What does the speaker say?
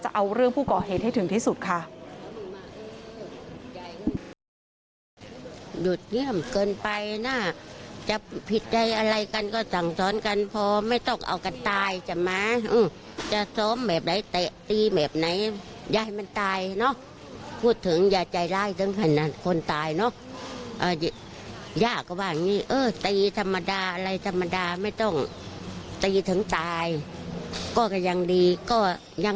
เอาเรื่องผู้ก่อเหตุให้ถึงที่สุดค่ะ